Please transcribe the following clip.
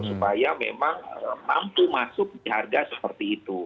supaya memang mampu masuk di harga seperti itu